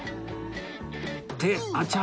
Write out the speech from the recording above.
ってあちゃ